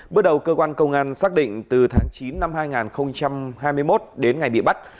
bước đầu cơ quan công an xác định từ tháng chín năm hai nghìn hai mươi một đến ngày bị bắt